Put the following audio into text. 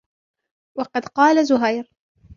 وَقَدْ قَالَ زُهَيْرٌ